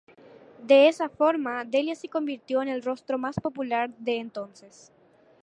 De esa forma, Delia se convirtió en el rostro más popular de entonces.